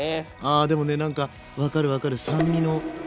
ああでもね何か分かる分かる。